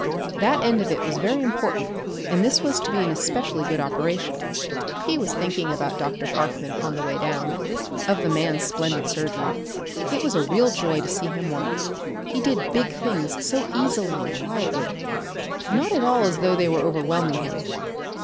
That end of it was very important and this was to be an especially good operation. He was thinking about Dr. Parkman on the way down; of the man's splendid surgery. It was a real joy to see him work. He did big things so very easily and quietly; not at all as though they were overwhelming him.